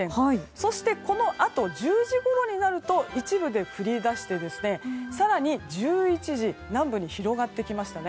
そして、このあと１０時ごろになると一部で降りだして更に１１時南部に広がってきましたね。